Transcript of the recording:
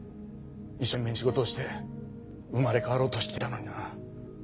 一生懸命に仕事をして生まれ変わろうとしていたのにな。